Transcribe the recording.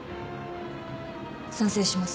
賛成します。